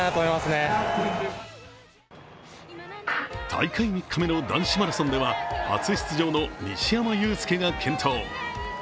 大会３日目の男子マラソンでは初出場の西山雄介が検討。